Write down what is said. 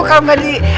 kalo gak di